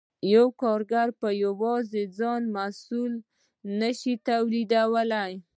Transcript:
یو کارګر په یوازې ځان یو محصول نشي تولیدولی